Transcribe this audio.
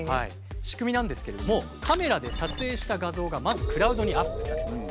仕組みなんですけれどもカメラで撮影した画像がまずクラウドにアップされます。